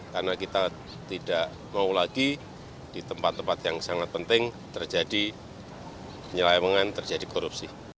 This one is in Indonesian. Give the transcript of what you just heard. karena kita tidak mau lagi di tempat tempat yang sangat penting terjadi penyelewengan terjadi korupsi